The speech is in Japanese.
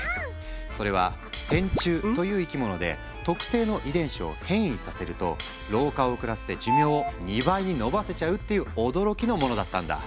それは線虫という生き物で特定の遺伝子を変異させると老化を遅らせて寿命を２倍に延ばせちゃうっていう驚きのものだったんだ。